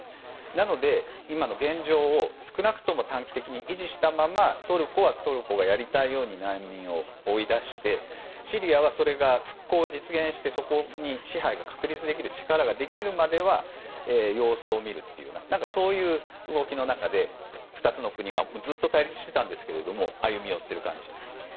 なので、今の現状を少なくとも短期的に維持したままトルコはトルコがやりたいように難民を追い出してシリアは復興が実現してそこに支配が確立できるまでは様子を見るという動きの中で２つの国がずっと対立していたんですが歩み寄っている感じです。